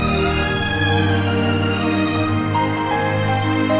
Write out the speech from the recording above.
cuka kalian pasta kameluk sekali ya